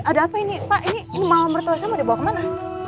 ada apa ini pak ini mau mertua sama dibawa kemana